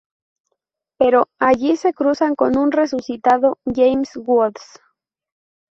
Pero, allí, se cruzan con un resucitado James Woods.